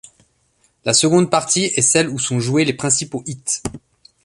La seconde partie est celle ou sont joués les principaux hits.